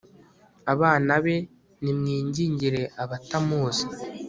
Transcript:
abana be, nimwingingire abatamuzi